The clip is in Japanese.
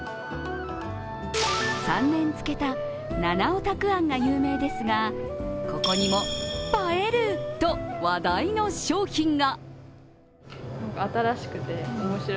３年漬けた七尾たくあんが有名ですが、ここにも映えると話題の商品が。